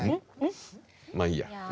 まあいいや。